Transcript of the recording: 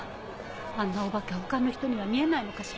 あんなお化け他の人には見えないのかしら。